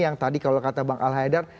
yang tadi kalau kata bang al haidar